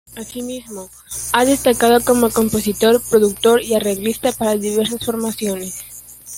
Asimismo ha destacado como compositor, productor y arreglista para diversas formaciones.